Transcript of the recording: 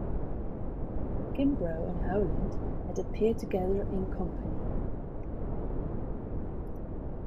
Kimbrough and Howland had appeared together in "Company".